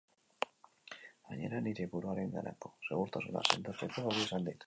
Gainera, nire buruarenganako segurtasuna sendotzeko balio izan dit.